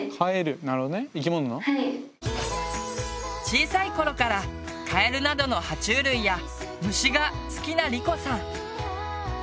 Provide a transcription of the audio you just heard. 小さい頃からカエルなどの爬虫類や虫が好きなりこさん。